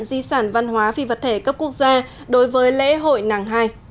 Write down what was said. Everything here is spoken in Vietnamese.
di sản văn hóa phi vật thể cấp quốc gia đối với lễ hội nàng hai